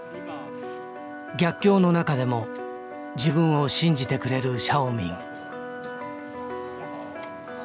逆境の中でも自分を信じてくれるシャオミン。